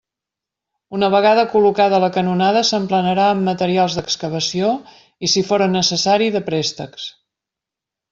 Una vegada col·locada la canonada s'emplenarà amb materials d'excavació i si fóra necessari de préstecs.